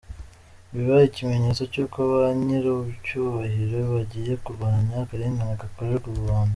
Bibe ikimenyetso cy’uko Ba Nyiricyubahiro bagiye kurwanya akarengane gakorerwa rubanda.